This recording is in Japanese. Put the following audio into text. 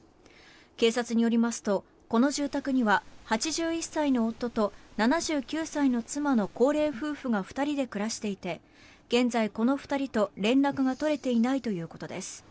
警察によりますと、この住宅には８１歳の夫と７９歳の妻の高齢夫婦が２人で暮らしていて現在、この２人と連絡が取れていないということです。